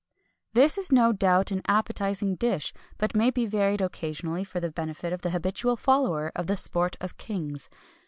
This is no doubt an appetising dish, but might be varied occasionally for the benefit of the habitual follower of the sport of kings.